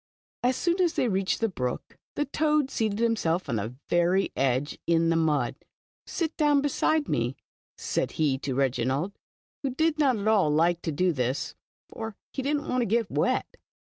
" As soon as they reached the brook, the toad seated himself on the ver}^ edge, in the mud. Sit down beside me," said he to Reginald. who did not at all like to do this, for he did n't want to get wet.